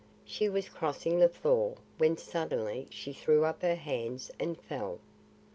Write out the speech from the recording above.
She was crossing the floor when suddenly she threw up her hands and fell.